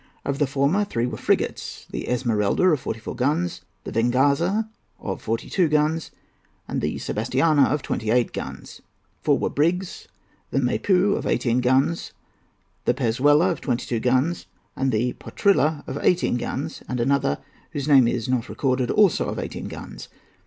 Of the former three were frigates, the Esmeralda, of forty four guns, the Venganza, of forty two guns, and the Sebastiana, of twenty eight guns; four were brigs, the Maypeu, of eighteen guns, the Pezuela, of twenty two guns, the Potrilla, of eighteen guns, and another, whose name is not recorded, also of eighteen guns.